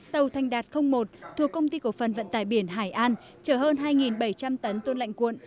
tàu thanh đạt một thuộc công ty cổ phân vận tải biển hải an trở hơn hai bảy trăm linh tấn tôn lạnh cuộn